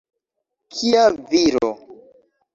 Kia viro!